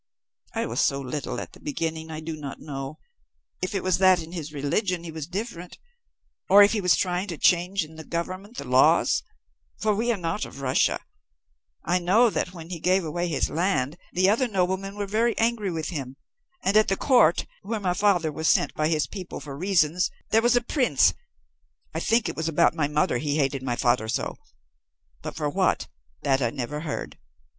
"I was so little at the beginning I do not know. If it was that in his religion he was different, or if he was trying to change in the government the laws, for we are not of Russia, I know that when he gave away his land, the other noblemen were very angry with him, and at the court where my father was sent by his people for reasons there was a prince, I think it was about my mother he hated my father so, but for what that I never heard.